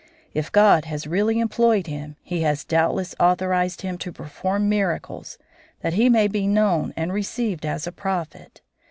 If God has really employed him, He has doubtless authorized him to perform miracles, that he may be known and received as a prophet.